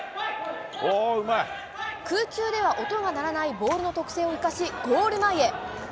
空中では音が鳴らないボールの特性を生かし、ゴール前へ。